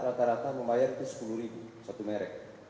rata rata membayar itu rp sepuluh satu merek